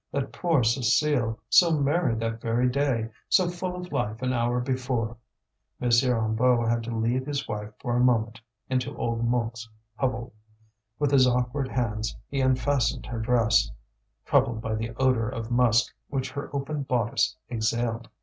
That poor Cécile, so merry that very day, so full of life an hour before! M. Hennebeau had to lead his wife for a moment into old Mouque's hovel. With his awkward hands he unfastened her dress, troubled by the odour of musk which her open bodice exhaled.